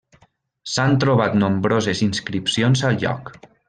S'han trobat nombroses inscripcions al lloc.